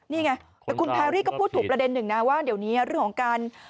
นี่ไงแต่คุณแพรรี่ก็พูดถูกประเด็นหนึ่งนะว่าเดี๋ยวนี้เรื่องของการ